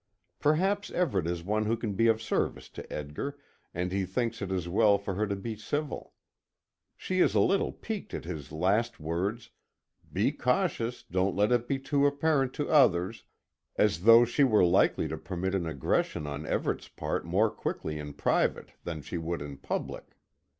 Perhaps Everet is one who can be of service to Edgar, and he thinks it as well for her to be civil. She is a little piqued at his last words "be cautious, don't let it be too apparent to others " as though she were likely to permit an aggression on Everet's part more quickly in private than she would in public.